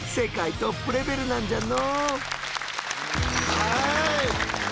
はい。